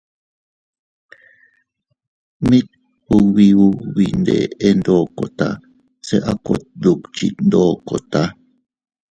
Mit ubi ubi iyndeʼe ndokota se a kot dukchit ndokota.